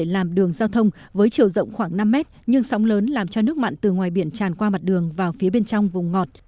làm đường giao thông với chiều rộng khoảng năm mét nhưng sóng lớn làm cho nước mặn từ ngoài biển tràn qua mặt đường vào phía bên trong vùng ngọt